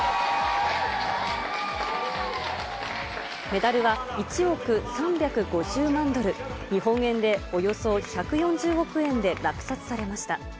メダルは１億３５０万ドル、日本円でおよそ１４０億円で落札されました。